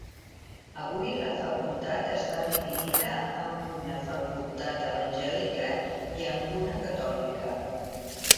Avui la facultat està dividida en una facultat evangèlica i en una catòlica.